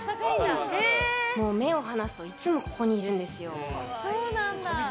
目を離すといつもここにいるんですよ。